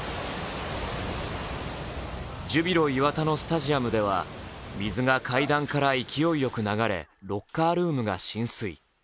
ジュビロ磐田のスタジアムでは水が階段から勢いよく流れロッカールームが浸水。